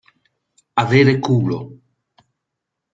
Avere culo.